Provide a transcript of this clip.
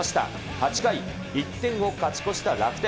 ８回、１点を勝ち越した楽天。